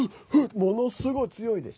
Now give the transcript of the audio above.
ものすごい強いです。